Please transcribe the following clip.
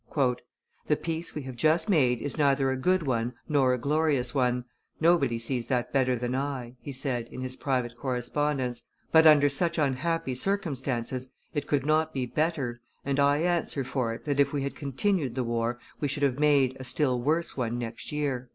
"The peace we have just made is neither a good one nor a glorious one; nobody sees that better than I," he said in his private correspondence; "but, under such unhappy circumstances, it could not be better, and I answer for it that if we had continued the war, we should have made, a still worse one next year."